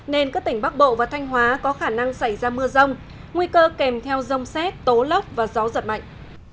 nên các tỉnh bắc bộ và thanh hóa có khả năng xảy ra mưa rông nguy cơ kèm theo rông xét tố lốc và gió giật mạnh